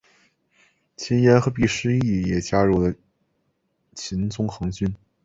秦彦和毕师铎也加入了秦宗衡军。